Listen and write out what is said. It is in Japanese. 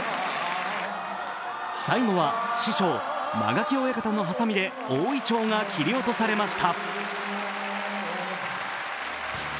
最後は師匠・間垣親方のはさみで大銀杏が切り落とされました。